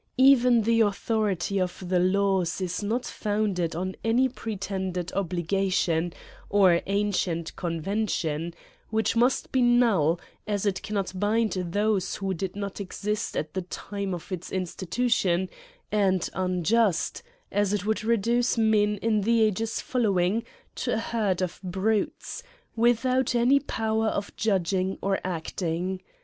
Even the authority of the laws is not founded on any pretended obligation, or an cient convention ; which must be null, as it can not bind those who did not exist at the time of its institution ; and unjust, as it would reduce men in the ages following, to a herd of brutes, without any power of judging or acting.